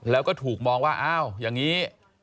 แล้วก็ถูกมองว่าอ้าวอย่างนี้